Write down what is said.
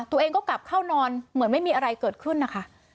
ตัวเองก็กลับเข้านอนเหมือนไม่มีอะไรเกิดขึ้นนะคะ